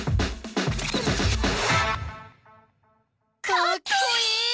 かっこいい！